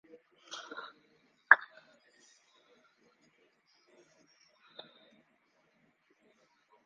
• Bolani erkalatish uni o‘ldirish bilan baravar; faqatgina olovli tayoqdan tarbiyali bolalar chiqadi.